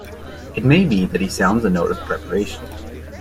It may be that he sounds a note of preparation.